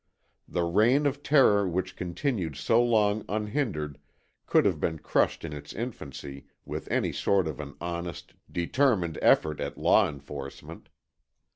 The reign of terror which continued so long unhindered could have been crushed in its infancy with any sort of an honest, determined effort at law enforcement.